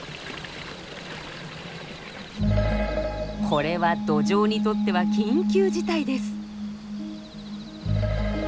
これはドジョウにとっては緊急事態です。